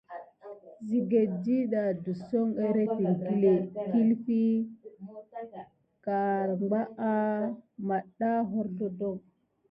Sikane ɗiɗa tiso érente tikilé, kilfi karbanga, metda hogornoko.